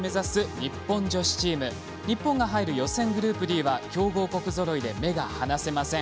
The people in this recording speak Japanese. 日本が入る予選グループＤは強豪国ぞろいで目が離せません。